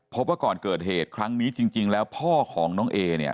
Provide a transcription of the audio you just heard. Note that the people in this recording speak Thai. พบว่าก่อนเกิดเหตุครั้งนี้จริงแล้วพ่อของน้องเอเนี่ย